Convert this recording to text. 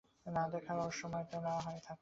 না-দেখার রহস্যময়তাটাই না হয় থাকুক।